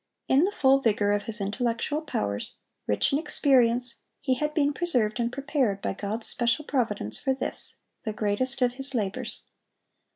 In the full vigor of his intellectual powers, rich in experience, he had been preserved and prepared by God's special providence for this, the greatest of his labors.